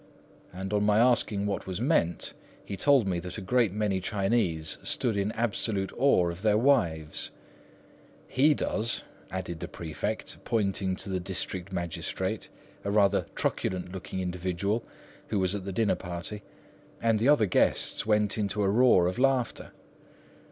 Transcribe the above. "—and on my asking what was meant, he told me that a great many Chinese stood in absolute awe of their wives. "He does," added the prefect, pointing to the district magistrate, a rather truculent looking individual, who was at the dinner party; and the other guests went into a roar of laughter.